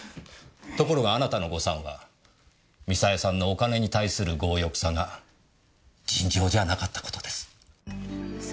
ところがあなたの誤算はミサエさんのお金に対する強欲さが尋常じゃなかったことです。